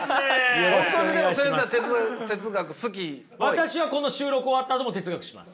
私はこの収録終わったあとも哲学します。